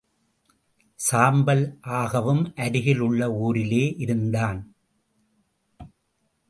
சாம்பல் ஆகாவும் அருகில் உள்ள ஊரிலேயே இருந்தான்.